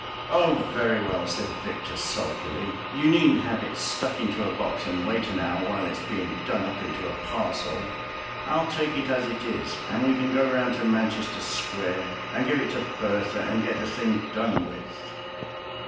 "Oh, very well," said Victor sulkily; "you needn't have it stuck into a box and wait an hour while it's being done up into a parcel. I'll take it as it is, and we can go round to Manchester Square and give it to Bertha, and get the thing done with.